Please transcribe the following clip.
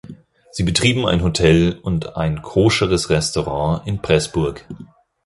Sie betrieben ein Hotel und ein koscheres Restaurant in Preßburg.